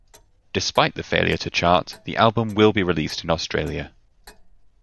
Despite the failure to chart, the album will be released in Australia.